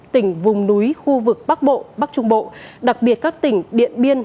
tỉnh vùng núi khu vực bắc bộ bắc trung bộ đặc biệt các tỉnh điện biên